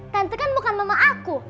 tante kan bukan mama aku